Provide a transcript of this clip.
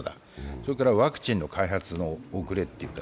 それからワクチンの開発の遅れ。